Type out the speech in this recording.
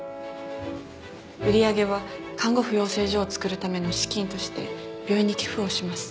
売り上げは看護婦養成所を作るための資金として病院に寄付をします。